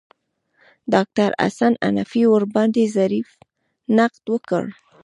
ډاکتر حسن حنفي ورباندې ظریف نقد وکړ.